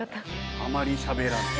あまりしゃべらない。